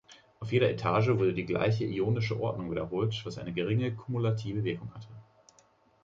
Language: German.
Auf jeder Etage wurde die gleiche ionische Ordnung wiederholt, was eine geringe kumulative Wirkung hatte.